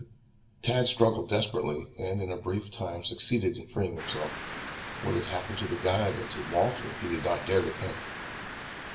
Tad struggled desperately and in a brief time succeeded in freeing himself. What had happened to the guide and to Walter he did not dare to think.